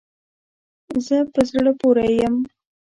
زه په زړه پوری یم